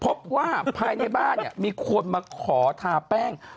พบว่าภายในบ้านเนี่ยมีคนมาขอทาแป้ง